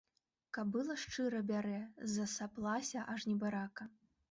Кабыла шчыра бярэ, засаплася аж небарака.